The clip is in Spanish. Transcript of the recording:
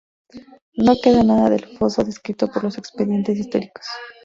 No queda nada del foso descrito por los expedientes históricos.